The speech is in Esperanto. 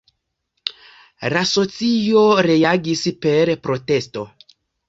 La socio reagis per protesto.